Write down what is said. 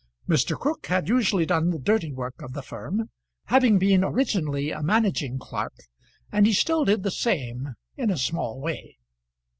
Mr. Crook had usually done the dirty work of the firm, having been originally a managing clerk; and he still did the same in a small way.